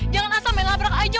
jangan asal melabrak saja